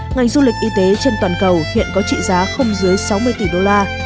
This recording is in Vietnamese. ngành du lịch y tế trên toàn cầu hiện có trị giá không dưới sáu mươi tỷ đô la